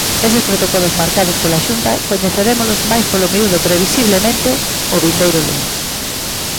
Eses protocolos marcados pola Xunta coñecerémolos máis polo miúdo previsiblemente o vindeiro luns.